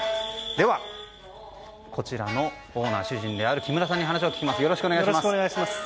では、こちらのオーナー主人である木村さんに話をお聞きします。